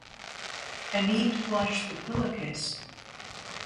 I need to wash the pillow case.